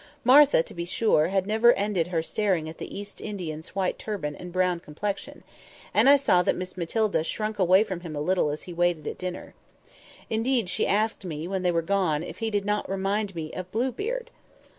Martha, to be sure, had never ended her staring at the East Indian's white turban and brown complexion, and I saw that Miss Matilda shrunk away from him a little as he waited at dinner. Indeed, she asked me, when they were gone, if he did not remind me of Blue Beard?